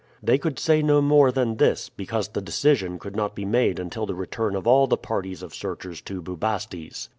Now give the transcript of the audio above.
They could say no more than this, because the decision could not be made until the return of all the parties of searchers to Bubastes.